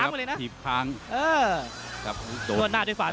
โอ้โหหยิบค้างไปเลยนะหยิบค้างเออ